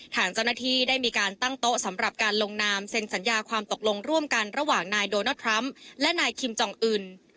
ทางเจ้าหน้าที่ได้มีการตั้งโต๊ะสำหรับการลงนามเซ็นสัญญาความตกลงร่วมกันระหว่างนายโดนัลดทรัมป์และนายคิมจองอื่น